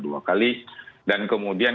dua kali dan kemudian